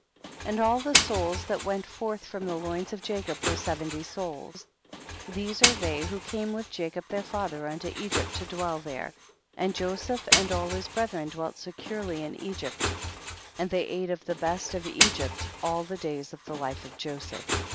19. And all the souls that went forth from the loins of Jacob, were seventy souls ; these are they who came with Jacob their father unto Egypt to dwell there ; and Joseph and all his brethren dwelt securely in Egypt, and they ate of the best of Egypt all the days of the life of Joseph.